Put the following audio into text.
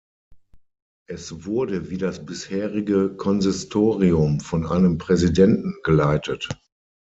Es wurde wie das bisherige Konsistorium von einem Präsidenten geleitet.